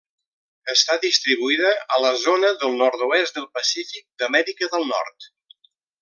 Està distribuïda a la zona del Nord-oest del Pacífic d'Amèrica del Nord.